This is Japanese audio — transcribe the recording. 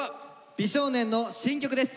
美少年の新曲です。